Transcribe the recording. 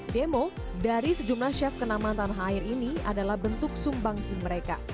demo dari sejumlah chef kenaman tanah air ini adalah bentuk sumbangsih mereka